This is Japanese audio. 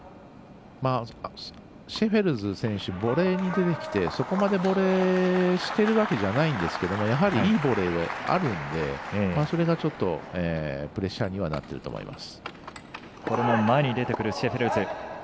シェフェルス選手ボレーに出てきてそこまでボレーしてるわけじゃないんですけどやはりいいボレーあるんでそれがちょっとプレッシャーにはなっていると思います。